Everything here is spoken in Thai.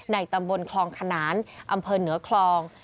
ตำบลคลองขนานอำเภอเหนือคลอง